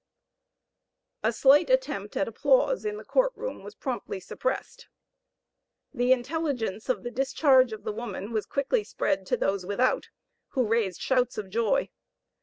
A slight attempt at applause in the court room was promptly suppressed. The intelligence of the discharge of the woman, was quickly spread to those without, who raised shouts of joy.